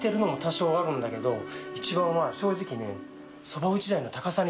一番は正直ね坂井）